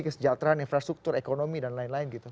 kesejahteraan infrastruktur ekonomi dan lain lain gitu